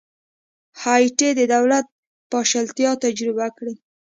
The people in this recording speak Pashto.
هایټي د دولت پاشلتیا تجربه کړې.